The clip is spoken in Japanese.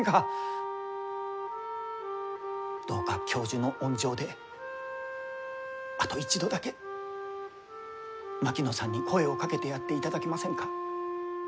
どうか教授の温情であと一度だけ槙野さんに声をかけてやっていただけませんか？